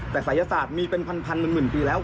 แต่ศัยศาสตร์มีเป็นพันเป็นหมื่นปีแล้ว